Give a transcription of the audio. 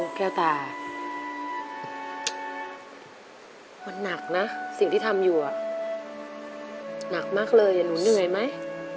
แก้วตามันหนักนะสิ่งที่ทำอยู่หนักมากเลยหนูเหนื่อยไหม